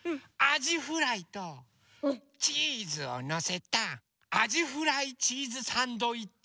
じフライとチーズをのせたあじフライチーズサンドイッチ